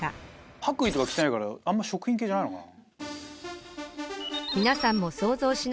白衣とか着ていないから食品系じゃないのかな。